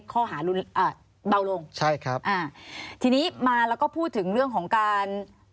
ข้อหารุนอ่าเบาลงใช่ครับอ่าทีนี้มาแล้วก็พูดถึงเรื่องของการ